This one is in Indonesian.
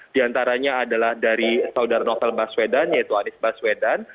diantaranya adalah dari saudara novel baswedan yaitu anis baswedan